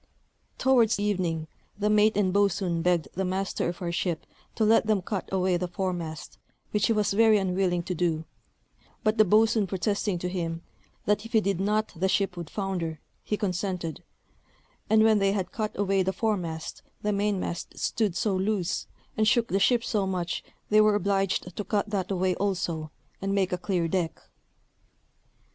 Towards evening the mate and boatswain begged the master of our ship to let them cut away the foremast, which he was very unwilling to do; but the boatswain protesting to him, that if he did not the ship would founder, he consented; and when they had cut away the foremast, the mainmast stood so loose, and shook the ship so much, they were obliged to cut that away also, and make a clear deck.